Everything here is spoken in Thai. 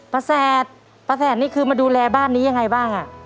แสดป้าแสนนี่คือมาดูแลบ้านนี้ยังไงบ้างอ่ะ